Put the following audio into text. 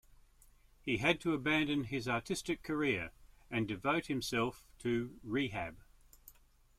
He had to abandon his artistic career and devote himself to rehab.